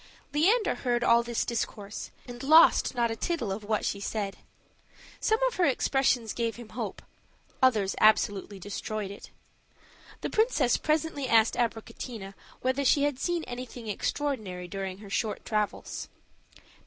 Leander heard all this discourse, and lost not a tittle of what she said; some of her expressions gave him hope, others absolutely destroyed it. The princess presently asked Abricotina whether she had seen anything extraordinary during her short travels.